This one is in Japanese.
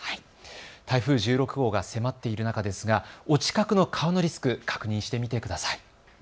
台風１６号が迫っている中ですがお近くの川のリスク、確認してみてください。